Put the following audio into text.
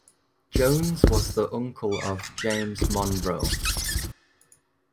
Jones was the uncle of James Monroe.